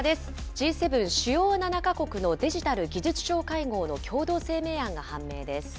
Ｇ７・主要７か国のデジタル・技術相会合の共同声明案が判明です。